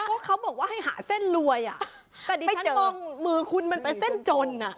ก็เขาบอกว่าให้หาเส้นรวยอ่ะแต่ดีไม่จงมือคุณมันเป็นเส้นจนอ่ะ